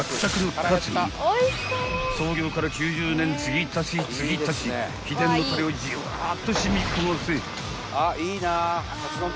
［創業から９０年つぎ足しつぎ足し秘伝のたれをジュワーッと染み込ませ］